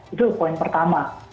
itu poin pertama